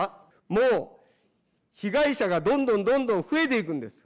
もう被害者がどんどんどんどん増えていくんです。